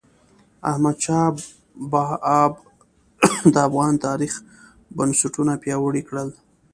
احمدشاه بااب د افغان تاریخ بنسټونه پیاوړي کړل.